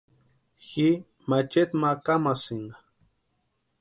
Ji macheti ma kámasïnka.